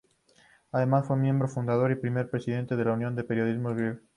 Además, fue miembro fundador y primer presidente de la Unión de Periodistas Griegos.